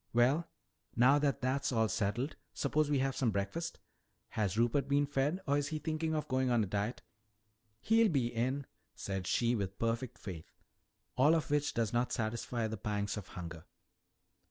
Well, now that that's all settled, suppose we have some breakfast. Has Rupert been fed or is he thinking of going on a diet?" "He'll be in " "Said she with perfect faith. All of which does not satisfy the pangs of hunger."